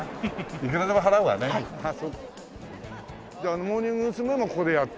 あのモーニング娘。もここでやった？